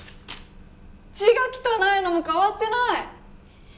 字が汚いのも変わってない！